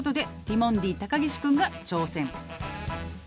「ティモンディ・高岸くんが挑戦」